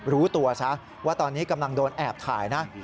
รู้ตัวซะว่าตอนนี้กำลังโดนแอบถ่ายนะ